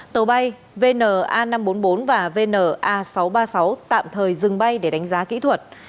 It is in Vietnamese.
tàu bay vn a năm trăm bốn mươi bốn và vn a sáu trăm ba mươi sáu tạm thời dừng bay để đánh giá kỹ thuật